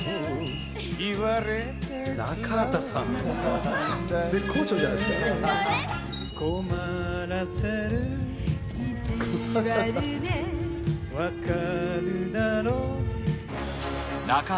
中畑さん、絶好調じゃないですか。